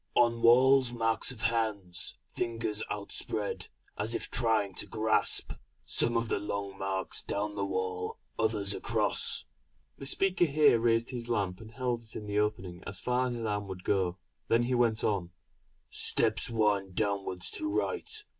On walls marks of hands, fingers outspread, as if trying to grasp. Some of the long marks down the wall others across." The speaker here raised his lamp and held it in the opening as far as his arm would go; then he went on: "Steps wind downwards to right.